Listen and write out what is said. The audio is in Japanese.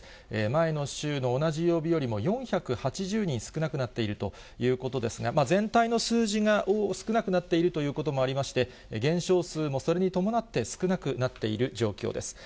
前の週の同じ曜日よりも４８０人少なくなっているということですが、全体の数字が少なくなっているということもありまして、減少数もそれに伴って少なくなっている状況です。